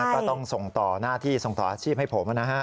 ก็ต้องส่งต่อหน้าที่ส่งต่ออาชีพให้ผมนะฮะ